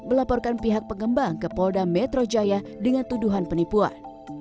melaporkan pihak pengembang ke polda metro jaya dengan tuduhan penipuan